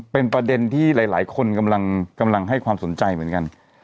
เป็นประเด็นที่หลายคนกำลังให้ความสนใจเหมือนกัน